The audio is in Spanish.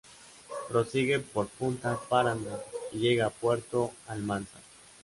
Prosigue por punta Paraná y llega a Puerto Almanza.